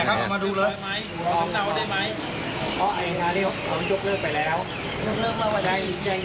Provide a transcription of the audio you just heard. ก็คืออย่างนี้ครับ